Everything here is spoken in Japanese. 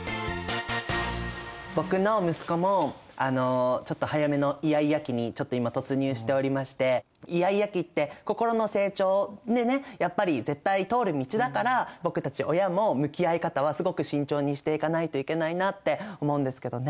僕の息子もちょっと早めのイヤイヤ期にちょっと今突入しておりましてイヤイヤ期って心の成長でねやっぱり絶対通る道だから僕たち親も向き合い方はすごく慎重にしていかないといけないなって思うんですけどね。